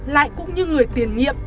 lại cũng như người tiền nghiệm